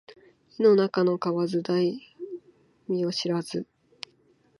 井の中の蛙大海を知らず